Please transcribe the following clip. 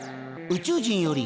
宇宙人より。